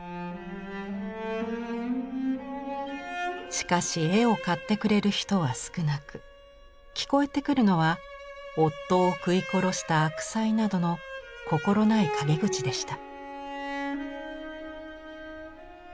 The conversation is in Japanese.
しかし絵を買ってくれる人は少なく聞こえてくるのは「夫を食い殺した悪妻」などの心ない陰口でした。